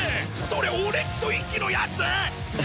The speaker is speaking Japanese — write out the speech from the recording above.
それ俺っちと一輝のやつ！